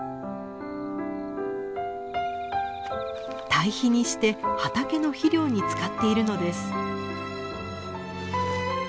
堆肥にして畑の肥料に使っているのです。